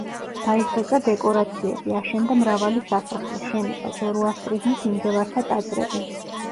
დაიხვეწა დეკორაციები, აშენდა მრავალი სასახლე, შენობა, ზოროასტრიზმის მიმდევართა ტაძრები.